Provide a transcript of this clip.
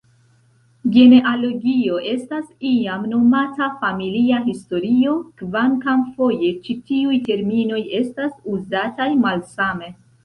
Genealogio estas iam nomata familia historio, kvankam foje ĉi tiuj terminoj estas uzataj malsame.